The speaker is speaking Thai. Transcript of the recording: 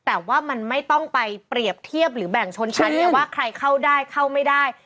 แต่ว่ามันไม่ต้องไปเปรียบเทียบหรือแบ่งชนชั้นไงว่าใครเข้าได้เข้าไม่ได้